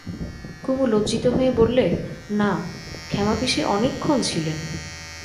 কুমু লজ্জিত হয়ে বললে, না, ক্ষেমাপিসি অনেকক্ষণ ছিলেন।